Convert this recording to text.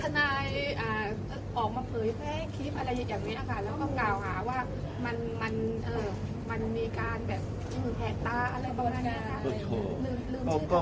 ถ้าเห็นเมื่อคืนทานาย